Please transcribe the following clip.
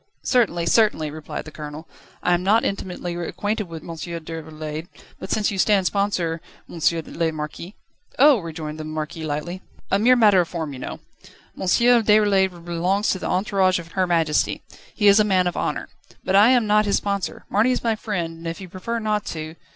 "Certainly, certainly," replied the Colonel. "I am not intimately acquainted with M. Déroulède, but since you stand sponsor, M. le Marquis ..." "Oh!" rejoined the Marquis, lightly, "a mere matter of form, you know. M. Déroulède belongs to the entourage of Her Majesty. He is a man of honour. But I am not his sponsor. Marny is my friend, and if you prefer not to